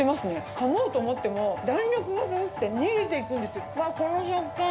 かもうと思っても弾力がすごくて、逃げていくんですよ。